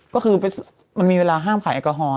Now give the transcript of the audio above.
ก็คือมันมีเวลาห้ามขายแอลกอฮอล